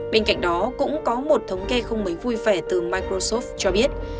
bên cạnh đó cũng có một thống kê không mấy vui vẻ từ microsoff cho biết